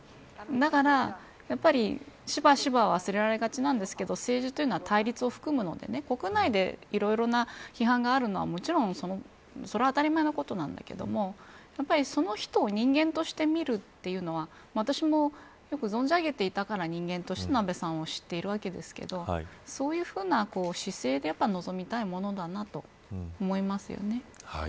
だから、しばしば忘れられがちなんですけど政治というのは対立を含むので国内で、いろいろな批判があるのは、もちろんそれは当たり前のことなんだけどやっぱりその人を人間として見るというのは私もよく存じ上げていたから人間としての安倍さんを知っているわけですけどそういうふうな姿勢で臨みたいものだなと思いますよね。